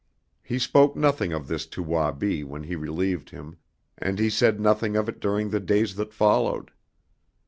He spoke nothing of this to Wabi when he relieved him, and he said nothing of it during the days that followed.